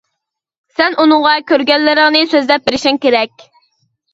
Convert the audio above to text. سەن ئۇنىڭغا كۆرگەنلىرىڭنى سۆزلەپ بېرىشىڭ كېرەك.